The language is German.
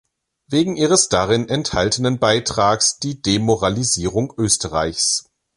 Wegen ihres darin enthaltenen Beitrags "Die Demoralisierung Österreichs.